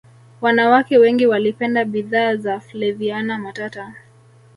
wanawake wengi walipenda bidhaa za flaviana matata